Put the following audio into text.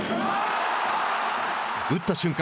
打った瞬間